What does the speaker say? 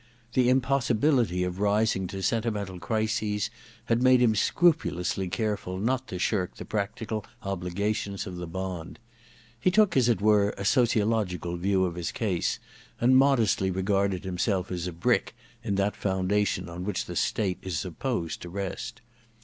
The impossibility of rising to sentihiental crises had made him scrupulously careful not to shirk the practical obligations of the bond. He took as it were a sociolc^ical view of lus case, and modestly regarded himself as a brick in that foundation on which the state is supposed to rest.